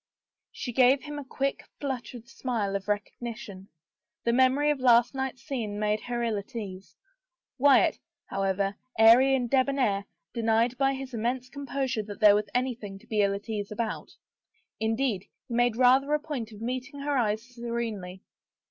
She gave him a quick, fluttered smile of recognition.. The memory of last night's scene made her ill at ease. Wyatt, however, airy and debonair, denied by his im mense composure that there was anything to be ill at ease about. Indeed, he made rather a point of meeting^ her eyes serenely.